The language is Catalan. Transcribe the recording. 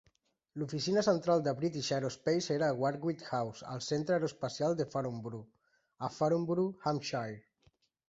L'oficina central de British Aerospace era a Warwick House, al Centre Aeroespacial de Farnborough a Farnborough, Hampshire.